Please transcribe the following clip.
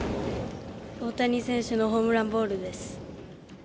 大谷選手のホームランボールです。